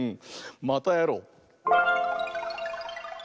またやろう！